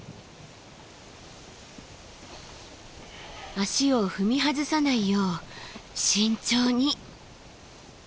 足を踏み外さないよう慎重に。